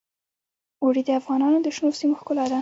اوړي د افغانستان د شنو سیمو ښکلا ده.